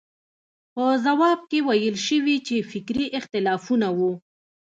په ځواب کې ویل شوي چې فکري اختلافونه وو.